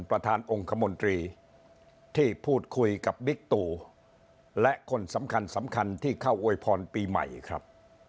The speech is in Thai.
ประธานองค์คมนตรีที่พูดคุยกับบิ๊กตูและคนสำคัญสำคัญที่เข้าอวยพรปีใหม่ครับ